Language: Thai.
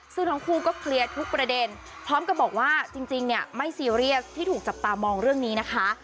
ซึ่งทั้งคู่ก็เคลียร์ทุกประเด็นพร้อมกับบอกว่าจริงเนี่ยไม่ซีเรียสที่ถูกจับตามองเรื่องนี้นะคะ